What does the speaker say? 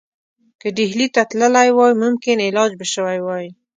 که ډهلي ته تللی وای ممکن علاج به شوی وای.